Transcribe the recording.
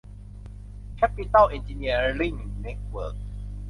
แคปปิทอล เอ็นจิเนียริ่ง เน็ตเวิร์ค